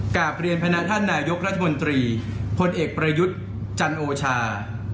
กลับเรียนพนักท่านนายกรัฐมนตรีพลเอกประยุทธ์จันโอชา